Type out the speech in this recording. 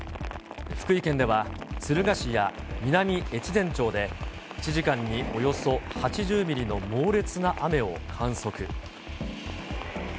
福井県では、敦賀市や南越前町で、１時間におよそ８０ミリの猛烈な雨を観測。